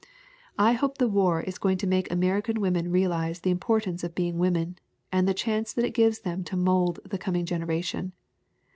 ] "I hope the war is going to make American women realize the importance of be ing women, and the chance that it gives them to mold the coming generation.